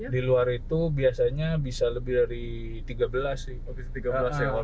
di luar itu biasanya bisa lebih dari tiga belas sih